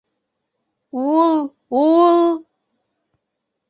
Ул, ул...